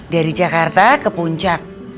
dari jakarta ke puncak